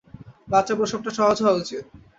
বাচ্চা-প্রসব টা সহজ হওয়া উচিৎ।